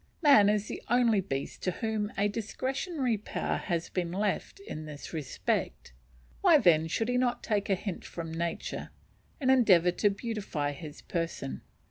Man is the only beast to whom a discretionary power has been left in this respect: why then should he not take a hint from nature, and endeavour to beautify his person?